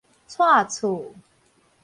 蔡厝